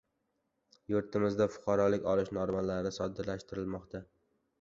Yurtimizda fuqarolik olish normalari soddalashtirilmoqda